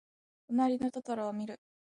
となりのトトロをみる。